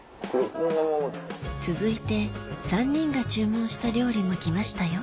続いて３人が注文した料理も来ましたよ